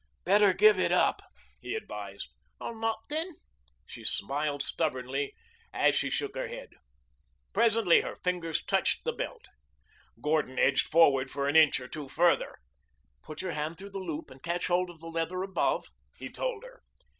"Better give it up," he advised. "I'll not then." She smiled stubbornly as she shook her head. Presently her fingers touched the belt. [Illustration: "SO YOU THINK I'M A 'FRAID CAT, MR. ELLIOT?"] Gordon edged forward an inch or two farther. "Put your hand through the loop and catch hold of the leather above," he told her.